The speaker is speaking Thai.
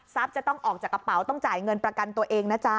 จะต้องออกจากกระเป๋าต้องจ่ายเงินประกันตัวเองนะจ๊ะ